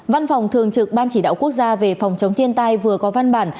văn phòng thường trực ban chỉ đạo quốc gia về phòng chống thiên tai vừa có văn bản